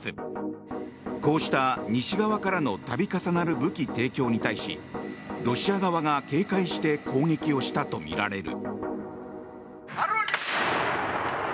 こうした西側からの度重なる武器提供に対しロシア側が警戒して攻撃をしたとみられる。